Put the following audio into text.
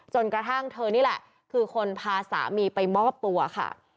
จนกระทั่งเธอนี่แหละคือคนพาสามีไปมอบตัวค่ะ